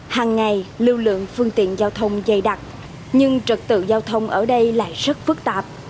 hàng ngày lưu lượng phương tiện giao thông dày đặc nhưng trật tự giao thông ở đây lại rất phức tạp